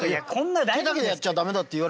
手だけでやっちゃ駄目だっていわれてるから。